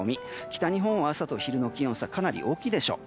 北日本は朝と昼の気温差がかなり大きいでしょう。